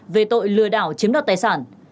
về tội lừa đảo chiếm đoạt tài sản